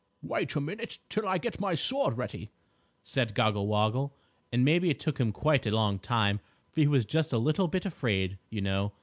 "Wait a minute till I get my sword ready," said Goggle Woggle, and maybe it took him quite a long time, for he was just a little bit afraid, you know.